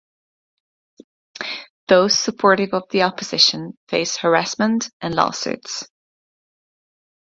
Those supportive of the opposition face harassment and lawsuits.